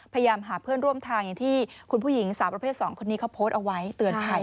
พยายามหาเพื่อนร่วมทางอย่างที่คุณผู้หญิงสาวประเภท๒คนนี้เขาโพสต์เอาไว้เตือนภัย